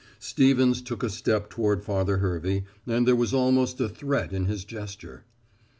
Stevens took a step toward Father Hervey and there was almost a threat in his gesture.